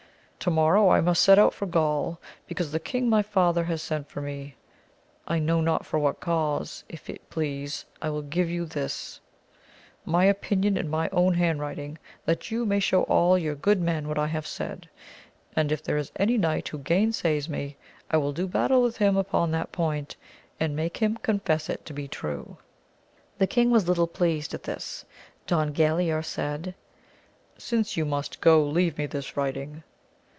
To morrow I must set out for Gaul ; because the king my father has sent for me. I know not for what cause ; if it please, I will give this, my opinion, in my own hand writing, that you may show all your good men what I have said ; and if there is any knight who gainsays me, I will do battle with him upon that point, and make him confess it to be true. The king was little pleased at this. Don Galaor, said he, since you must go, leave me this writing.